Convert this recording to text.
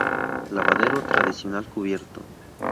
Lavadero tradicional cubierto.